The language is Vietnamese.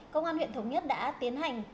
công an huyện thống nhất đã tiến hành